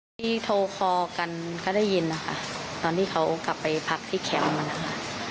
ที่โทรคอกันก็ได้ยินนะคะตอนที่เขากลับไปพักที่แคมป์มานะคะ